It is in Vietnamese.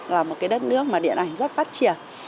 là một cái đất nước mà điện ảnh rất phát triển